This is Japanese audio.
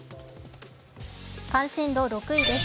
関心度６位です。